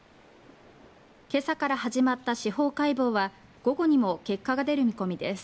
今朝から始まった司法解剖は午後にも結果が出る見込みです